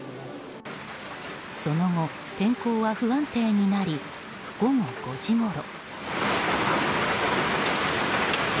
その後、天候は不安定になり午後５時ごろ。